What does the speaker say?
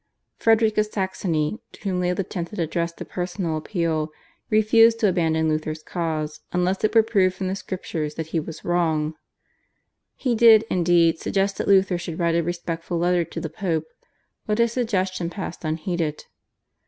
Frederick of Saxony, to whom Leo X. had addressed a personal appeal, refused to abandon Luther's cause unless it were proved from the Scriptures that he was wrong. He did, indeed, suggest that Luther should write a respectful letter to the Pope, but his suggestion passed unheeded.